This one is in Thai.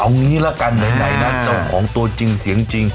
เอางี้ละกันไหนนะเจ้าของตัวจริงเสียงจริง